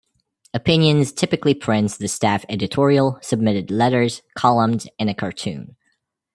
Opinions typically prints the staff editorial, submitted letters, columns, and a cartoon.